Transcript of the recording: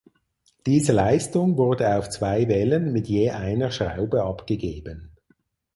Diese Leistung wurde auf zwei Wellen mit je einer Schraube abgegeben.